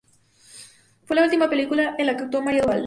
Fue la última película en la que actuó María Duval.